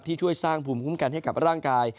ช่วยสร้างภูมิคุ้มกันให้กับร่างกาย